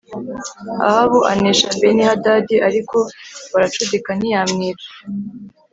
Ahabu anesha Benihadadi ariko baracudika ntiyamwica